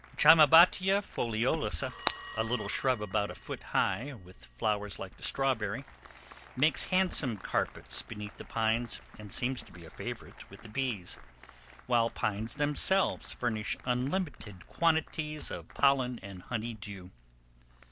Chamaebatia foliolosa, a little shrub about a foot high, with flowers like the strawberry, makes handsome carpets beneath the pines, and seems to be a favorite with the bees; while pines themselves furnish unlimited quantities of pollen and honey dew.